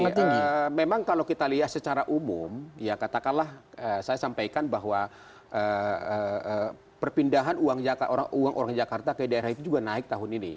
sangat tinggi memang kalau kita lihat secara umum ya katakanlah saya sampaikan bahwa perpindahan uang orang jakarta ke daerah itu juga naik tahun ini